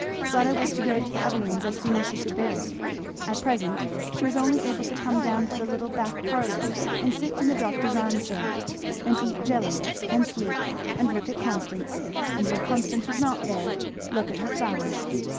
Fleda was to go to the Evelyns as soon as she could bear it; at present she was only able to come down to the little back parlour and sit in the doctor's arm chair, and eat jelly, and sleep, and look at Constance, and when Constance was not there look at her flowers.